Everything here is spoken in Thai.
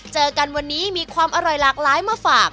เจอกันวันนี้มีความอร่อยหลากหลายมาฝาก